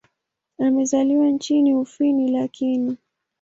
Amezaliwa nchini Ufini lakini.